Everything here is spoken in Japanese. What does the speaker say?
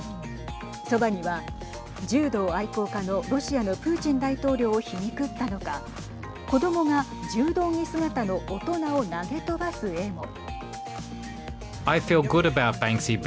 そばには、柔道愛好家のロシアのプーチン大統領を皮肉ったのか子どもが柔道着姿の大人を投げ飛ばす絵も。